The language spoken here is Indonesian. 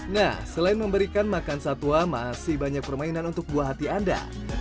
nah selain memberikan makan satwa masih banyak permainan untuk buah hati anda